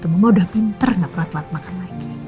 semua udah pinter gak pernah telat makan lagi